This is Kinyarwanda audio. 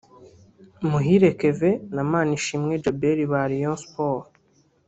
Muhire Kevin na Manishimwe Djabel ba Rayon Sports